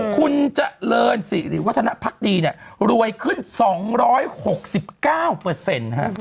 คุณเจริญหรือวัฒนภักดีรวยขึ้น๒๖๙เปอร์เซ็นต์